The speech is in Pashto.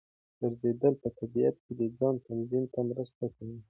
ګرځېدل په طبیعت کې د ځان تنظیم ته مرسته کوي.